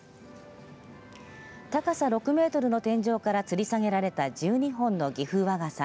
高さ６メートルの天井からつり下げられた１２本の岐阜和傘。